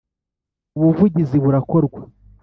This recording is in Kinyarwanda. Ubuvugizi burakorwa.